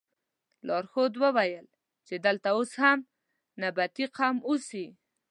لارښود وویل چې دلته اوس هم نبطي قوم اوسي.